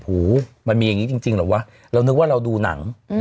โหมันมีแบบนี้จรึงเหรอวะนึกว่าเราดูหนัง